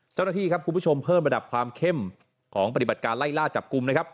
เจ้าหน้าที่ครับคุณผู้ชมเพิ่มระดับความเข้มของปฏิบัติการไล่ล่าจับกลุ่มนะครับ